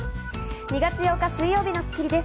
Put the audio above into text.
２月８日、水曜日の『スッキリ』です。